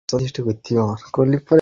আমাদের সাথে চল।